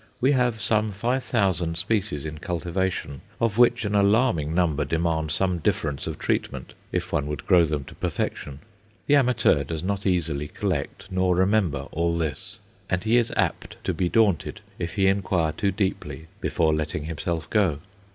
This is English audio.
We have some five thousand species in cultivation, of which an alarming number demand some difference of treatment if one would grow them to perfection. The amateur does not easily collect nor remember all this, and he is apt to be daunted if he inquire too deeply before "letting himself go."